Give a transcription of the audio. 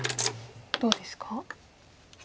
どうですか？